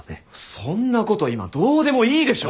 そんな事今どうでもいいでしょ！